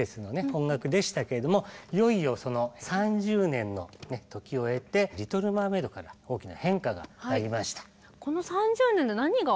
音楽でしたけれどもいよいよ３０年の時を経て「リトル・マーメイド」から大きな変化がありました。